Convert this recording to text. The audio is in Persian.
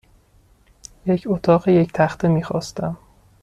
یک اتاق یک تخته میخواستم.